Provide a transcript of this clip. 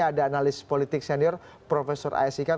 ada analis politik senior prof a s ikar